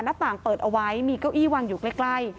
หน้าต่างเปิดเอาไว้มีเก้าอี้วางอยู่ใกล้